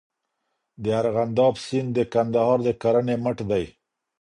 د ارغنداب سیند د کندهار د کرنې مټ دی.